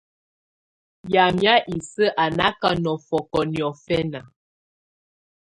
Yamɛ̀á isǝ́ á nà kà nɔ̀fɔ̀kɔ̀ niɔ̀fɛna.